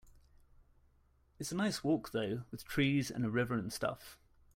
It's a nice walk though, with trees and a river and stuff.